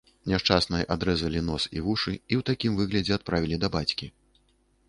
Няшчаснай адрэзалі нос і вушы, і ў такім выглядзе адправілі да бацькі.